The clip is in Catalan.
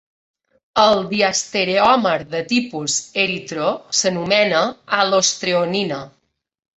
El diastereòmer de tipus eritro s'anomena alostreonina.